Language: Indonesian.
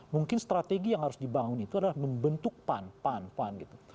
mungkin strategi yang harus dibangun itu adalah membentuk pan pan pan gitu